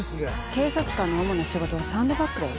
警察官の主な仕事はサンドバッグだよ。